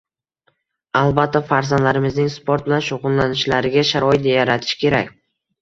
Albatta, farzandlarimizning sport bilan shug‘ullanishlariga sharoit yaratish kerak edi